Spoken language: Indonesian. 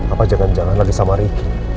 apa jangan jangan lagi sama ricky